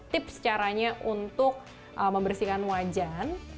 tips caranya untuk membersihkan wajan